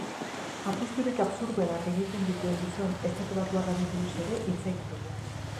Apusturik absurdoenak egiten dituen gizon estatubatuarrari buruz ere hitz egin dugu.